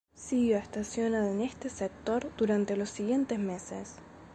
Siguió estacionada en este sector durante los siguientes meses.